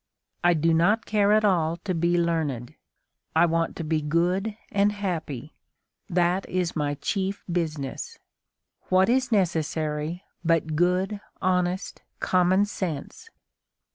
I do not care at all to be learned; I want to be good and happy; that is my chief business. What is necessary but good, honest common sense?"